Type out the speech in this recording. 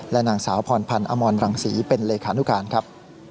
นางสาวพรพันธ์อมรรังศรีเป็นเลขานุการครับ